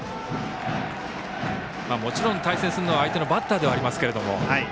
もちろん対戦するのは相手のバッターではありますけど。